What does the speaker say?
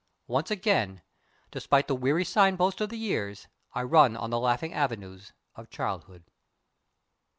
Once again, despite the weary signpost of the years, I run on the laughing avenues of childhood.